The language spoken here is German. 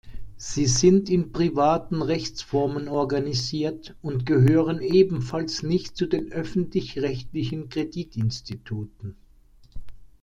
Sie sind in privaten Rechtsformen organisiert und gehören ebenfalls nicht zu den öffentlich-rechtlichen Kreditinstituten.